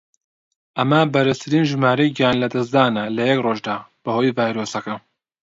ئەمە بەرزترین ژمارەی گیان لەدەستدانە لە یەک ڕۆژدا بەهۆی ڤایرۆسەکە.